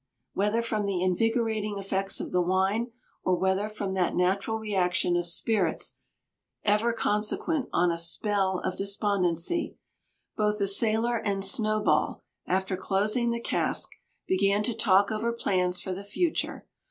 Whether from the invigorating effects of the wine, or whether from that natural reaction of spirits ever consequent on a "spell" of despondency, both the sailor and Snowball, after closing the cask, began to talk over plans for the future.